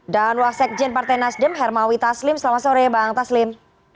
dan waksek jend partai nasdem hermawi taslim selamat sore bang taslim